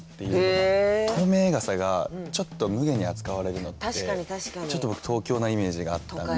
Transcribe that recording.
透明傘がちょっとむげに扱われるのってちょっと僕東京なイメージがあったんで。